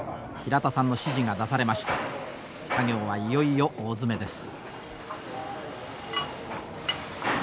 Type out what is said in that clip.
作業はいよいよ大詰めです。